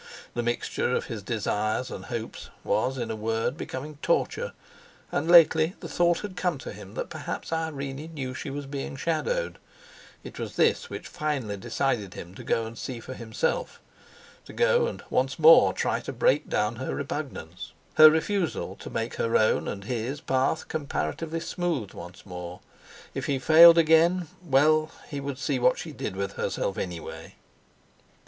The mixture of his desires and hopes was, in a word, becoming torture; and lately the thought had come to him that perhaps Irene knew she was being shadowed: It was this which finally decided him to go and see for himself; to go and once more try to break down her repugnance, her refusal to make her own and his path comparatively smooth once more. If he failed again—well, he would see what she did with herself, anyway!